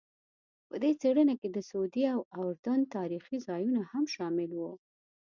په دې څېړنه کې د سعودي او اردن تاریخي ځایونه هم شامل وو.